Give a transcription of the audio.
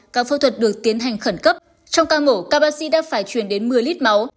ca phẫu thuật được tiến hành khẩn cấp trong ca mổ các bác sĩ đã phải truyền đến một mươi lít máu